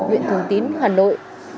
huyện thường tín hà nội